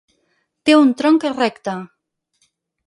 Té un tronc recte.